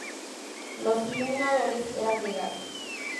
Los iluminadores eran de gas.